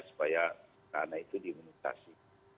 supaya anak anak itu diimunisasi